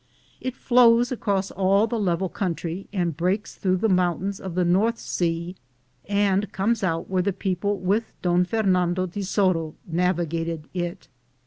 It flows across all the level country and breaks through the mountains of the North sea, and comes out where the people with Con Fernando de Soto navigated it.